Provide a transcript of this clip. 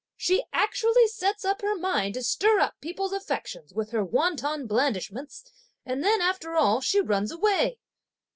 she actually sets her mind to stir up people's affections with her wanton blandishments, and then, after all, she runs away!"